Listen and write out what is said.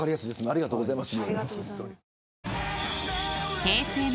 ありがとうございます。